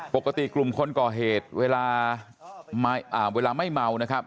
ปกติกลุ่มคนก่อเหตุเวลาไม่เมานะครับ